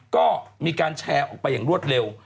ก็มีการแชร์ออกไปอย่างรวดเร็ว